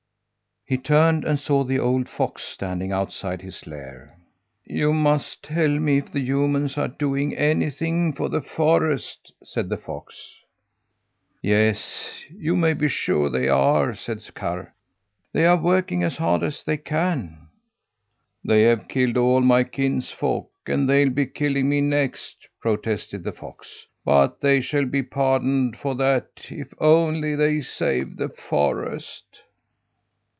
He turned and saw an old fox standing outside his lair. "You must tell me if the humans are doing anything for the forest," said the fox. "Yes, you may be sure they are!" said Karr. "They are working as hard as they can." "They have killed off all my kinsfolk, and they'll be killing me next," protested the fox. "But they shall be pardoned for that if only they save the forest."